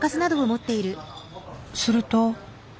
すると。